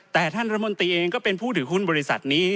แต่ท่านรัฐมนตรีเองก็เป็นผู้ถือหุ้นบริษัทนี้